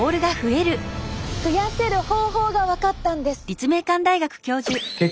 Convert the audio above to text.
増やせる方法が分かったんです。